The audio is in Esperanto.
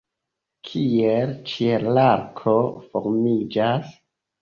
Kiel ĉielarko formiĝas?